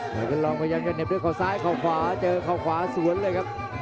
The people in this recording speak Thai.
แม่เคิลรองพยายามจะเน็บด้วยข่าวซ้ายข่าวขวาเจอข่าวขวาสวนเลยครับ